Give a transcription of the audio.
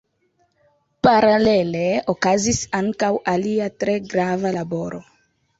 Paralele okazis ankaŭ alia tre grava laboro.